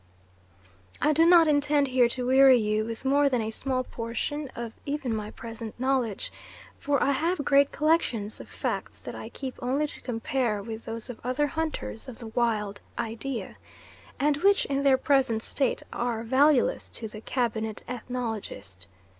I do not intend here to weary you with more than a small portion of even my present knowledge, for I have great collections of facts that I keep only to compare with those of other hunters of the wild idea, and which in their present state are valueless to the cabinet ethnologist.